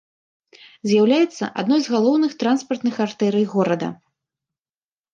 З'яўляецца адной з галоўных транспартных артэрый горада.